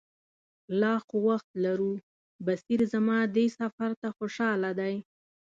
لا خو وخت لرو، بصیر زما دې سفر ته خوشاله دی.